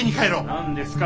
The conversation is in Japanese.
何ですか？